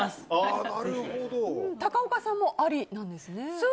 高岡さんもありなんですね。